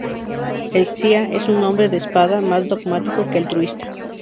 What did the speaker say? El "xia" es un hombre de espada, más dogmático que altruista.